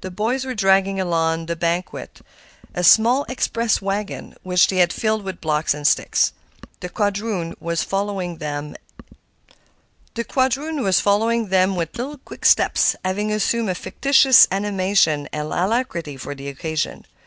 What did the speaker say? The boys were dragging along the banquette a small "express wagon," which they had filled with blocks and sticks. The quadroon was following them with little quick steps, having assumed a fictitious animation and alacrity for the occasion.